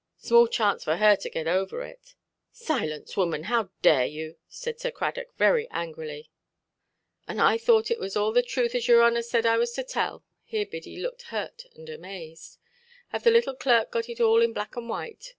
Small chance for her to git over it". "Silence, woman, how dare you"? said Sir Cradock, very angrily. "And I thought it was arl the truth as yer honour said I was to tell". Here Biddy looked hurt and amazed. "Have the little clerk got it all in black and white"?